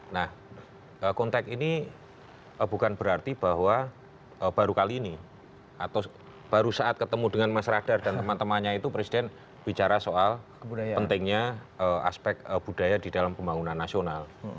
nah konteks ini bukan berarti bahwa baru kali ini atau baru saat ketemu dengan mas radar dan teman temannya itu presiden bicara soal pentingnya aspek budaya di dalam pembangunan nasional